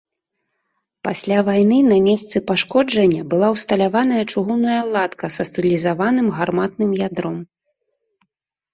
Пасля вайны на месцы пашкоджання была ўсталяваная чыгунная латка са стылізаваным гарматным ядром.